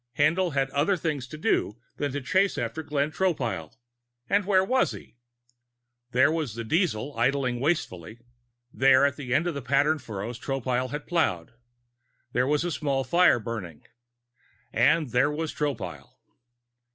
Haendl had other things to do than to chase after Glenn Tropile. And where was he? There was the diesel, idling wastefully; there the end of the patterned furrows Tropile had plowed. There a small fire, burning And there was Tropile.